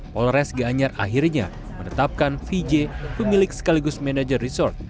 polres gianyar akhirnya menetapkan vj pemilik sekaligus manajer resort